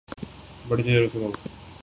بڑے چھپے رستم ہو